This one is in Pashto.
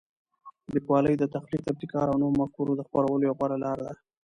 لیکوالی د تخلیق، ابتکار او نوو مفکورو د خپرولو یوه غوره لاره ده.